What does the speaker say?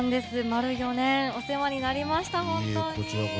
丸４年、お世話になりました。